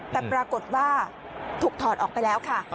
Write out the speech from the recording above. แต่ปรากฏว่าถูกถอดออกไปแล้วค่ะ